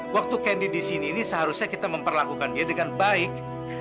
waktu candy di sini ini seharusnya kita memperlakukan dia dengan baik